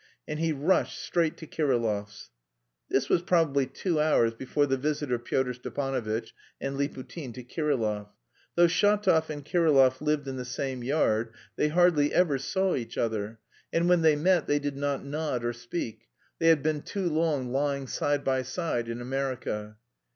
And he rushed straight to Kirillov's. This was probably two hours before the visit of Pyotr Stepanovitch and Liputin to Kirillov. Though Shatov and Kirillov lived in the same yard they hardly ever saw each other, and when they met they did not nod or speak: they had been too long "lying side by side" in America....